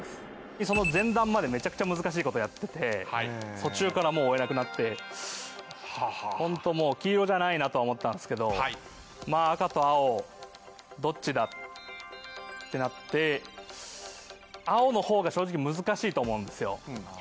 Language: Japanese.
前段までめちゃくちゃ難しいことやってて途中からもう追えなくなって黄色じゃないなとは思ったんですけどまあ赤と青どっちだってなって青の方が正直難しいと思うんですよ。